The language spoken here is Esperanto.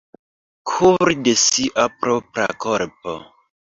Kuri de sia propra korpo.